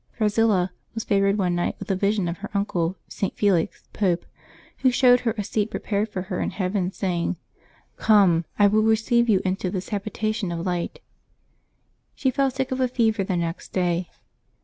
Thrasilla was favored one night with a vision of her uncle, St. Felix, Pope, who showed her a seat prepared for her in heaven, saying :" Come ; I will receive you into this habi tation of light." She fell sick of a fever the next day.